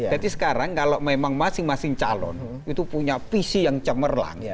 jadi sekarang kalau memang masing masing calon itu punya visi yang cemerlang